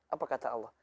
apa kata allah